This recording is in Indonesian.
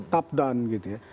top down gitu ya